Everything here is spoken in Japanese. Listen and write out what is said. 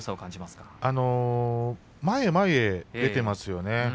前へ前へと出ていますよね。